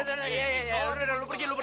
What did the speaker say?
udah udah lu pergi lu pergi lu pergi